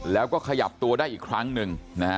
แล้วก็ขยับตัวได้อีกครั้งหนึ่งนะฮะ